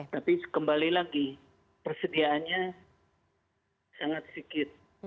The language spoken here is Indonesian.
tapi kembali lagi persediaannya sangat sedikit